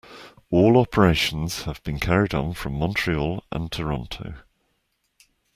All operations have been carried on from Montreal and Toronto.